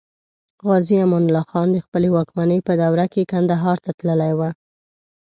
غازي امان الله خان د خپلې واکمنۍ په دوره کې کندهار ته تللی و.